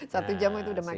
satu jam itu udah maksimum